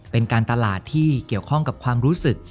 เป็นการตลาดที่เกี่ยวข้องกับความรู้สึก